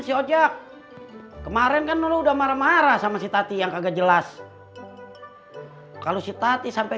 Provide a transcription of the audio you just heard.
siojak kemarin kan lu udah marah marah sama si tati yang kagak jelas kalau si tati sampai